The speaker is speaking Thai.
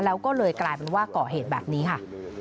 แล้วก็เลยกลายเป็นว่าก่อเหตุแบบนี้ค่ะ